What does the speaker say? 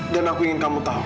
dan aku ingin kamu tahu